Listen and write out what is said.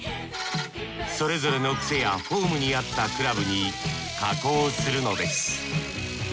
それぞれのクセやフォームに合ったクラブに加工するのです